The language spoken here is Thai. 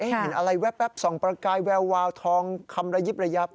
เห็นอะไรแว๊บส่องประกายแวววาวทองคำระยิบระยับ